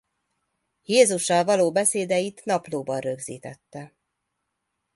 Jézussal való beszédeit naplóban rögzítette.